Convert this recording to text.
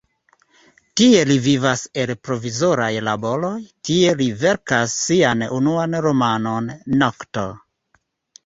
Tie li vivas el provizoraj laboroj, tie li verkas sian unuan romanon "Nokto".